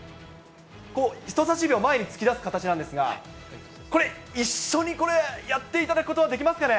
こう人さし指を前に突き出す形なんですが、これ、一緒にこれ、やっていただくことはできますかね。